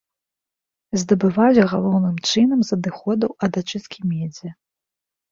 Здабываюць галоўным чынам з адыходаў ад ачысткі медзі.